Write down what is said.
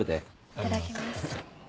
いただきます